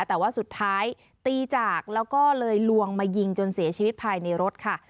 แต่ว่าสุดท้ายตีจากแล้วก็เลยลวงมายิงจนเสียชีวิตภายในรถค่ะ